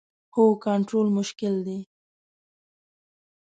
هو، کنټرول مشکل دی